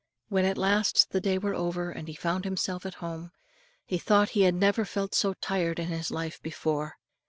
When at last the day wore over, and he found himself at home, he thought he had never felt so tired in his life before.